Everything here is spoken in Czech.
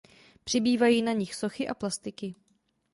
Přibývají na nich sochy a plastiky.